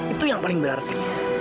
itu yang paling berarti